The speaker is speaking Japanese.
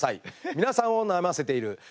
皆さんを悩ませているはい！